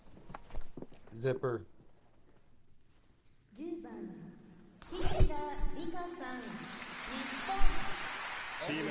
「１０番紀平梨花さん日本」チーム